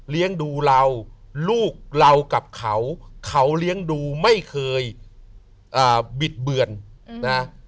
เลี้ยงดูเราลูกเรากับเขาเขาเลี้ยงดูไม่เคยบิดเบือนนะ